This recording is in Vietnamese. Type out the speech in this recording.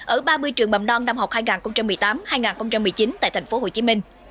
ở ba mươi trường mầm non năm học hai nghìn một mươi tám hai nghìn một mươi chín tại thành phố hồ chí minh